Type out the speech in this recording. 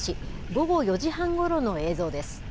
午後４時半ごろの映像です。